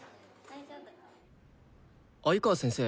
鮎川先生。